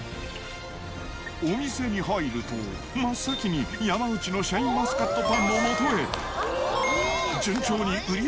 お店に入ると、真っ先に山内のシャインマスカットパンのもとへ。